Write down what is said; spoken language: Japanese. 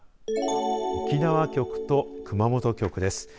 沖縄局と熊本局です。